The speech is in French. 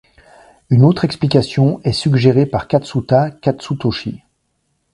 Une autre explication est suggérée par Katsuta Katsutoshi.